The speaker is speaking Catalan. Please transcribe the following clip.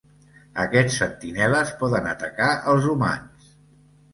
Aquests sentinelles poden atacar els humans.